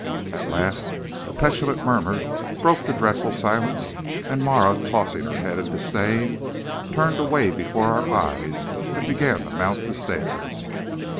At last a petulant murmur broke the dreadful silence, and Marah, tossing her head in disdain, turned away before our eyes and began to mount the stairs.